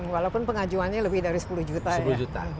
walaupun pengajuannya lebih dari sepuluh juta ya